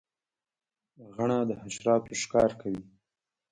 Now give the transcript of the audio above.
غڼه د حشراتو ښکار کوي